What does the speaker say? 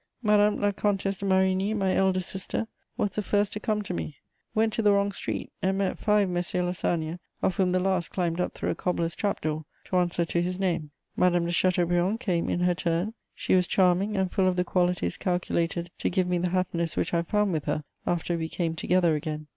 Madame la Comtesse de Marigny, my eldest sister, was the first to come to me, went to the wrong street, and met five Messieurs Lassagne, of whom the last climbed up through a cobbler's trap door to answer to his name. Madame de Chateaubriand came in her turn: she was charming, and full of the qualities calculated to give me the happiness which I found with her after we came together again.